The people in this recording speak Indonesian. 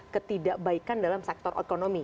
ketidakbaikan dalam sektor otonomi